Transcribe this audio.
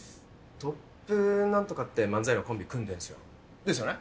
トップなんとかって漫才のコンビ組んでんすよ。ですよね？